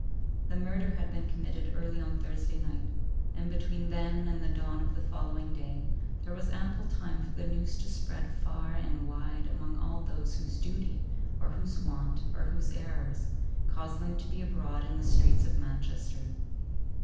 The murder had been committed early on Thursday night, and between then and the dawn of the following day there was ample time for the news to spread far and wide among all those whose duty, or whose want, or whose errors, caused them to be abroad in the streets of Manchester.